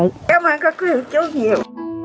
cảm ơn các quý vị chú nhiều